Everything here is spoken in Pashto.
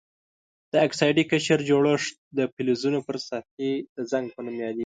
د اکسایدي قشر جوړښت د فلزونو پر سطحې د زنګ په نوم یادیږي.